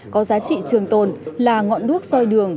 có giá trị trường tồn là ngọn đuốc soi đường